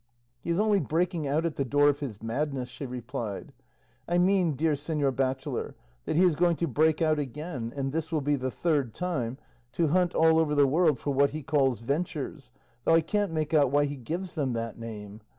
"He is only breaking out at the door of his madness," she replied; "I mean, dear señor bachelor, that he is going to break out again (and this will be the third time) to hunt all over the world for what he calls ventures, though I can't make out why he gives them that name.